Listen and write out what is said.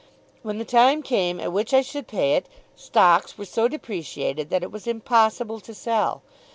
When the time came at which I should pay it, stocks were so depreciated that it was impossible to sell.